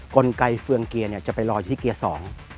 กลไกเฟืองเกียร์เนี่ยจะไปรออยู่ที่เกียร์สอง